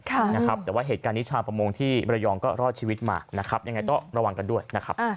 แต่ว่าเหตุการณ์นิทราบประมงที่มรยองรอดชีวิตมาอย่างไรก็ระวังกันด้วยนะครับ